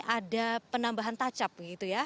ada penambahan tacap gitu ya